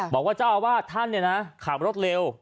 บอกเจ้าอาวาทท่านเนี่ยนะขับรถเล็ว